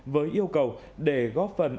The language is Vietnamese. với yêu cầu để góp phần